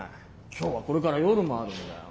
今日はこれから夜もあるんだよ。